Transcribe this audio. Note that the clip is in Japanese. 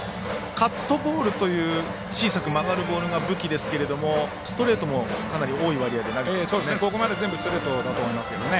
カットボールという小さく曲がるボールが武器ですけれどもストレートもかなり多い割合で投げていますね。